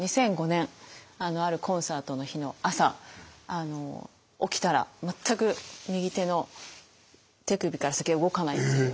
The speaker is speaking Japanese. ２００５年あるコンサートの日の朝起きたら全く右手の手首から先が動かないっていう。